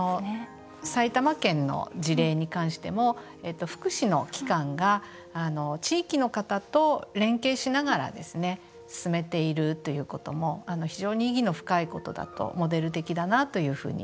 埼玉県の事例に関しても福祉の機関が地域の方と連携しながら進めているということも非常に意義の深いことだとモデル的だなというふうに。